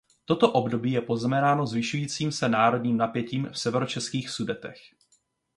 Toto období je poznamenáno zvyšujícím se národnostním napětím v severočeských Sudetech.